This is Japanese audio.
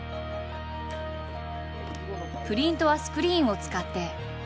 プリントはスクリーンを使って。